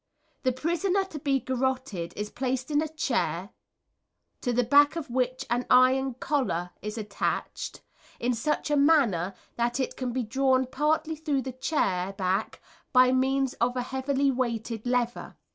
The prisoner to be garotted is placed in a chair, to the back of which an iron collar is attached in such a manner that it can be drawn partly through the chair back by means of a heavily weighted lever.